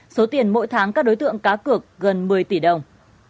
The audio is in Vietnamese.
số tiền mỗi tháng các đối tượng cá cược gần một mươi tỷ đồng